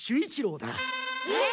えっ？